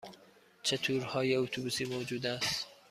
چه تورهای اتوبوسی موجود است؟